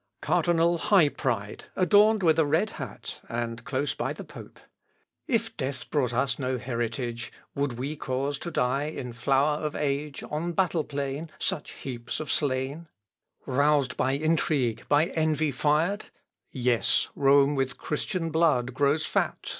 ] Cardinal HIGH PRIDE adorned with a red hat, and close by the pope: If death brought us no heritage, Would we cause die in flower of age, On battle plain, Such heaps of slain, Roused by intrigue, by envy fired? Yes, Rome with Christian blood grows fat!